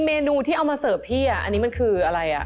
เมนูที่เอามาเสิร์ฟพี่อันนี้มันคืออะไรอ่ะ